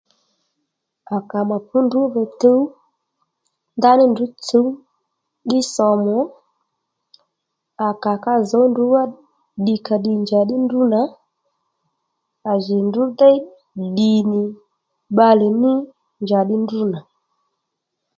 À kà mà pǔ ndrǔdhò tuw ndaní ndrǔ tsǔw ddí somù ó à kà ka zǒw ndrǔ wá ddìkàddì njaddí ndrǔ nà à jí ndrǔ déy ddì nì bbalè ní njaddí ndrǔnà